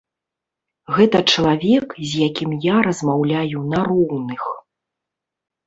Гэта чалавек, з якім я размаўляю на роўных.